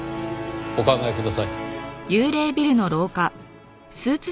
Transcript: お考えください。